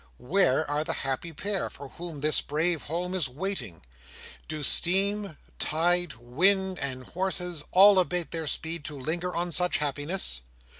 Where are the happy pair, for whom this brave home is waiting? Do steam, tide, wind, and horses, all abate their speed, to linger on such happiness?